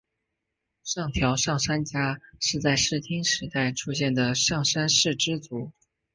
上条上杉家是在室町时代出现的上杉氏支族。